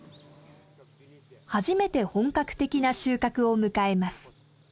初めて本格的な収穫を迎えます。